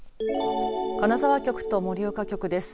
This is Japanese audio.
金沢局と盛岡局です。